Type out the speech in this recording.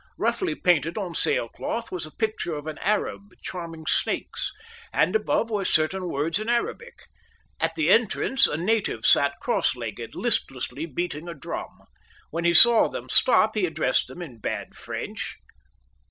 Roughly painted on sail cloth was a picture of an Arab charming snakes, and above were certain words in Arabic. At the entrance, a native sat cross legged, listlessly beating a drum. When he saw them stop, he addressed them in bad French.